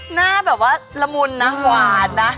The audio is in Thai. หน้าแบบว่าละมุนนะหวานนะ